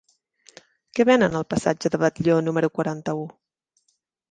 Què venen al passatge de Batlló número quaranta-u?